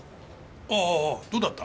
ああどうだった？